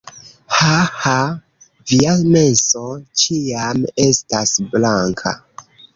Haha. Via menso ĉiam estas blanka